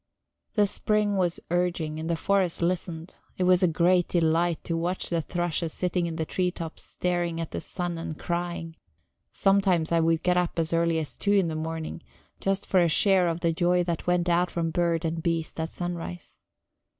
The spring was urging, and the forest listened; it was a great delight to watch the thrushes sitting in the tree tops staring at the sun and crying; sometimes I would get up as early as two in the morning, just for a share of the joy that went out from bird and beast at sunrise.